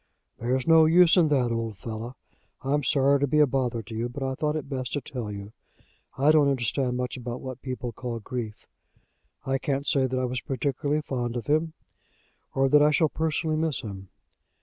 "There's no use in that, old fellow. I'm sorry to be a bother to you, but I thought it best to tell you. I don't understand much about what people call grief. I can't say that I was particularly fond of him, or that I shall personally miss him.